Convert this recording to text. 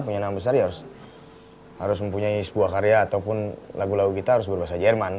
punya nama besar ya harus mempunyai sebuah karya ataupun lagu lagu kita harus berbahasa jerman